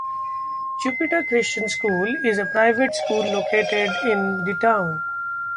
Jupiter Christian School is a private school located in the town.